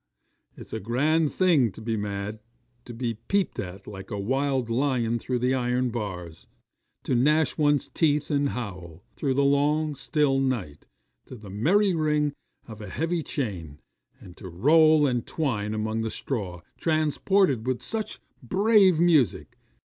It's a grand thing to be mad! to be peeped at like a wild lion through the iron bars to gnash one's teeth and howl, through the long still night, to the merry ring of a heavy chain and to roll and twine among the straw, transported with such brave music.